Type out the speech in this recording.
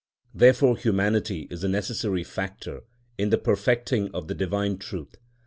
Therefore Humanity is a necessary factor in the perfecting of the divine truth.